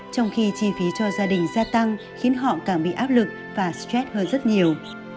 trong khi chi phí cho gia đình gia tăng khiến họ càng bị áp lực và stress hơn rất nhiều